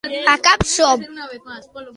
A cap som!